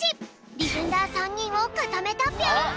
ディフェンダー３にんをかためたぴょん！